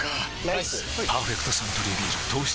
ライス「パーフェクトサントリービール糖質